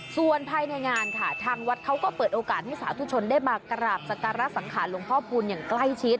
ส่วนภายในงานค่ะทางวัดเขาก็เปิดโอกาสให้สาธุชนได้มากราบสการะสังขารหลวงพ่อพูนอย่างใกล้ชิด